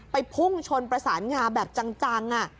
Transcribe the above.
พุ่งชนประสานงาแบบจัง